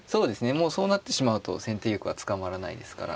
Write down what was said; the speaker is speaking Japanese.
もうそうなってしまうと先手玉は捕まらないですから。